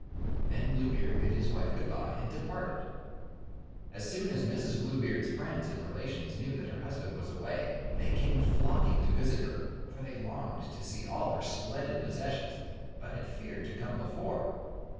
Then Bluebeard bid his wife good bye, and departed. As soon as Mrs. Bluebeard's friends and relations knew that her husband was away, they came flocking to visit her, for they longed to see all her splendid possessions, but had feared to come before.